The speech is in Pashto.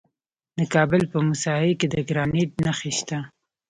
د کابل په موسهي کې د ګرانیټ نښې شته.